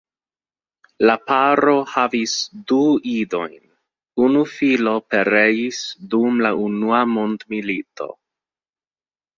La paro havis du idojn; unu filo pereis dum la unua mondmilito.